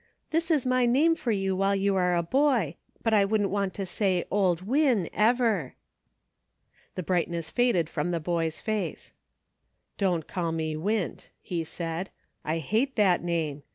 This is my name for you while you are a boy ; but I wouldn't want to say ' Old Win ' ever." The brightness faded from the boy's face. " Don't call me Wint," he said ;" I hate that name.